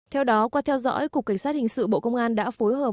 theo đó qua theo dõi cục cảnh sát hình sự bộ công an đã phối hợp